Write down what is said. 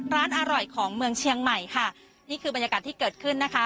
ร้านอร่อยของเมืองเชียงใหม่ค่ะนี่คือบรรยากาศที่เกิดขึ้นนะคะ